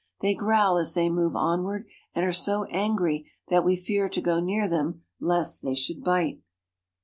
They growl as they move onward, and are so angry that we fear to go near them lest they should bite.